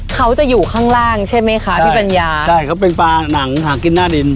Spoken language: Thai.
เขาจะอยู่ข้างล่างใช่ไหมคะพี่ปัญญาใช่เขาเป็นปลาหนังหากินหน้าดิน